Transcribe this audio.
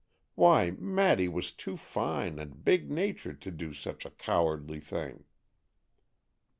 Why, Maddy was too fine and big natured to do such a cowardly thing."